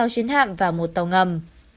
hai mươi sáu chiến hạm và một tàu ngầm